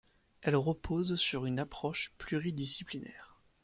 Elle repose sur une approche pluridisciplinaire.